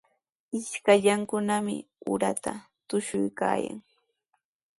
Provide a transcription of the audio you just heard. Ishkallankunami uratraw tushuykaayan.